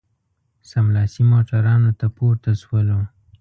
سملاسي موټرانو ته پورته شولو.